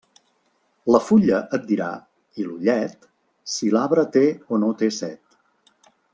La fulla et dirà, i l'ullet, si l'arbre té o no té set.